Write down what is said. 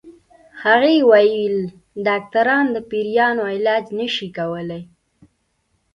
هغې ويل ډاکټران د پيريانو علاج نشي کولی